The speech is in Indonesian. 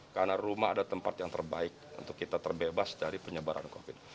karena rumah ada tempat yang terbaik untuk kita terbebas dari penyebaran covid sembilan belas